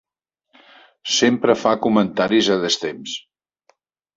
Sempre fa comentaris a destemps.